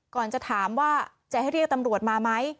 ก่อนจะถามว่าจะให้เรียกตำรวจมาไหม